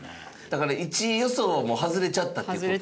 だから１位予想はもう外れちゃったって事ですね。